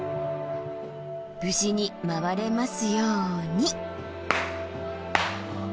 無事に回れますように。